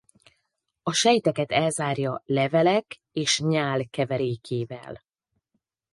A sejteket elzárja levelek és nyál keverékével.